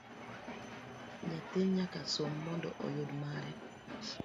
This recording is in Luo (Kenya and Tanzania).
Nyathi nyaka som mondo oyud mare